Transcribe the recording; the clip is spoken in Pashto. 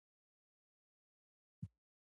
خوندیتوب او مصئونیت ډاډمنول